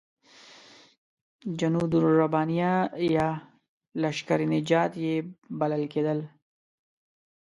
جنودالربانیه یا لشکر نجات یې بلل کېدل.